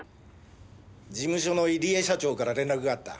事務所の入江社長から連絡があった。